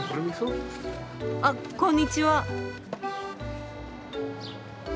あっこんにちは。